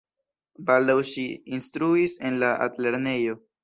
Baldaŭ ŝi instruis en la altlernejo.